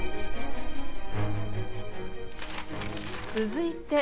続いて。